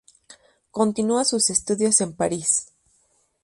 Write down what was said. Continúa sus estudios en París.